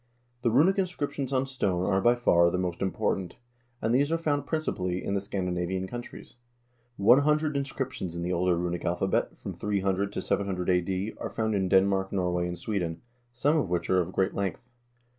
The runic inscriptions on stone are by far the most important, and these are found principally in the Scandinavian countries. One hundred inscriptions in the older runic alphabet, from 300 to 700 a.d., are found in Denmark, Norway, and Sweden, some of which are of great length.